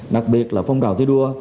đặc biệt là phong trào thi đua